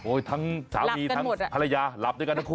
โอ้ยทั้งสามีทั้งภรรยาหลับกันหมดละ